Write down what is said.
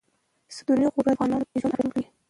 ستوني غرونه د افغانانو ژوند اغېزمن کوي.